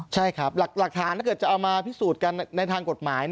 ใช่ครับหลักฐานถ้าเกิดจะเอามาพิสูจน์กันในทางกฎหมาย